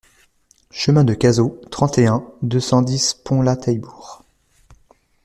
Chemin de Cazaux, trente et un, deux cent dix Ponlat-Taillebourg